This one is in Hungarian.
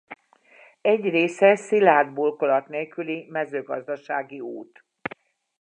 Egy része szilárd burkolat nélküli mezőgazdasági út.